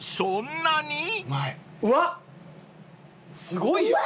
すごいよ。